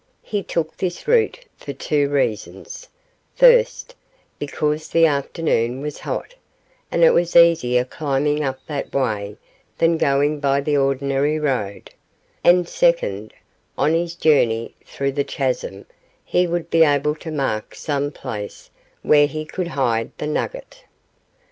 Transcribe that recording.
He took this route for two reasons first, because the afternoon was hot, and it was easier climbing up that way than going by the ordinary road; and, second, on his journey through the chasm he would be able to mark some place where he could hide the nugget.